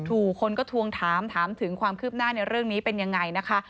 คนก็ทวงถามถามถึงความคืบหน้าในเรื่องนี้เป็นยังไงนะคะ